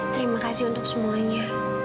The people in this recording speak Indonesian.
terima kasih untuk semuanya